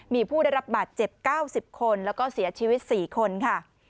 มีผู้ได้รับบาดเจ็บ๙๐คนแล้วก็เสียชีวิต๔คนค่ะ